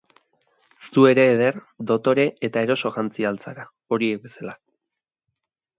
Zu ere eder, dotore eta eroso jantzi ahal zara, horiek bezala.